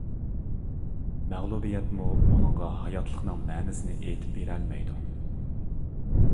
مەغلۇبىيەتمۇ ئۇنىڭغا ھاياتلىقنىڭ مەنىسىنى ئېيتىپ بېرەلمەيدۇ.